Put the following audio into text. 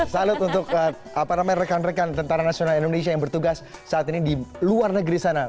salut untuk rekan rekan tentara nasional indonesia yang bertugas saat ini di luar negeri sana